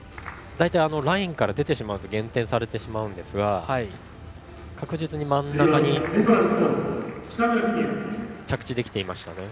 ラインから出てしまうと減点されてしまうんですが確実に真ん中に着地できていましたね。